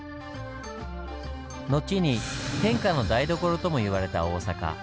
後に「天下の台所」とも言われた大阪。